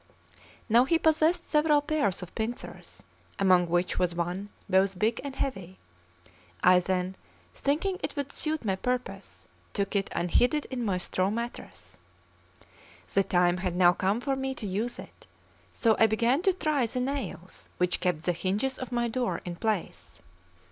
Now he possessed several pairs of pincers, among which was one both big and heavy. I then, thinking it would suit my purpose, took it and hid it in my straw mattress. The time had now come for me to use it; so I began to try the nails which kept the hinges of my door in place.